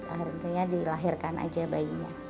akhirnya dilahirkan aja bayinya